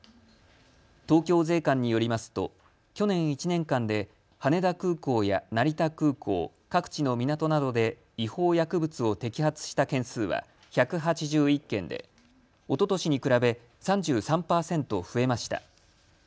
東京税関によりますと去年１年間で羽田空港や成田空港各地の港などで違法薬物を摘発した件数は１８１件でおととしに比べ３３％増えました。